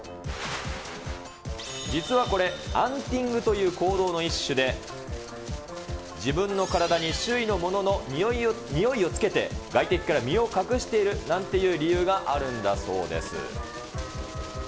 実はこれ、アンティングという行動の一種で、自分の体に周囲のものの匂いをつけて、外敵から身を隠しているなんていう理由があるんだそうです。